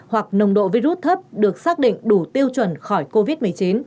hoặc nồng độ virus thấp được xác định đủ tiêu chuẩn khỏi covid một mươi chín